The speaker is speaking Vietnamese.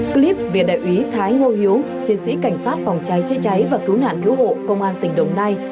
clip về đại úy thái ngô hiếu chiến sĩ cảnh sát phòng cháy chế cháy và cứu nạn cứu hộ công an tỉnh đồng nai